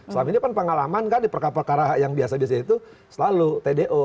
selama ini kan pengalaman kan di perkara perkara yang biasa biasa itu selalu tdo